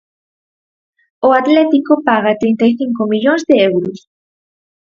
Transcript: O Atlético paga trinta e cinco millóns de euros.